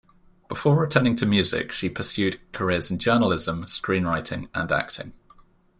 Before returning to music, she pursued careers in journalism, screenwriting and acting.